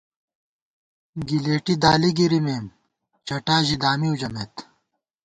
گِلېٹی دالی گِرِمېم چٹا ژِی دامیؤ ژَمېت